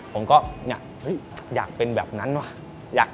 ผมก็อยากเป็นแบบนั้นว่ะ